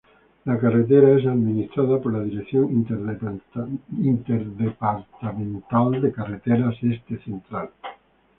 La carretera es administrada por la Dirección Interdepartamental de Carreteras Este Central.